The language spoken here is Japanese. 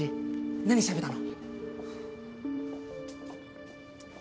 何しゃべったの？